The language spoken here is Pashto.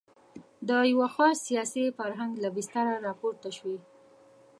د یوه خاص سیاسي فرهنګ له بستره راپورته شوې.